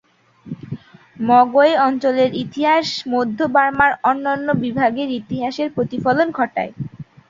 Mogwe অঞ্চলের ইতিহাস মধ্য বার্মার অন্যান্য বিভাগের ইতিহাসের প্রতিফলন ঘটায়।